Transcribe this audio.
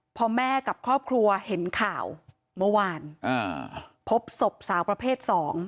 พอแม่กับครอบครัวเห็นข่าวเมื่อวานพบศพสาวประเภทสอง